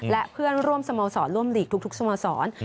และเพื่อนร่วมสมสรรค์ร่วมลีกทุกสมสรค์